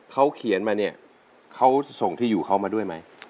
เขาเขียนมาเนี่ยเขาส่งที่อยู่เขามาด้วยไหม